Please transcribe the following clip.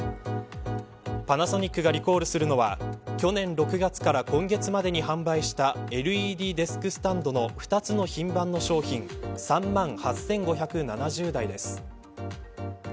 パナソニックがリコールするのは去年６月から今月までに販売したＬＥＤデスクスタンドの２つの品番の商品３万８５７０台です。